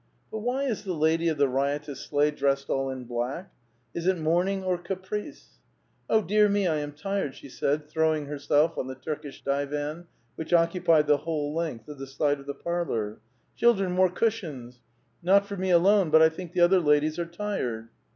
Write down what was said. But why is the lady of the riotous sleigh dressed all in black ? Is it mourning or caprice ?" O dear me, I am tired !" she said, throwing herself on the Turkish divan which occupied the whole length of the side of the parlor. "Children, more cushions ! Not for me alone, but I think the other ladies are tired."